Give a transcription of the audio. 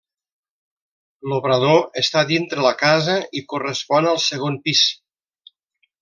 L'obrador està dintre la casa i correspon al segon pis.